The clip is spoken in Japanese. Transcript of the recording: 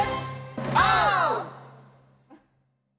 オー！